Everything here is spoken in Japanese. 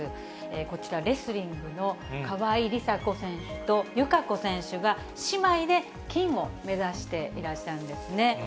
こちら、レスリングの川井梨紗子選手と友香子選手が姉妹で金を目指していらっしゃるんですね。